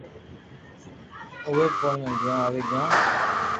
اووي ڀوپو آوي گيو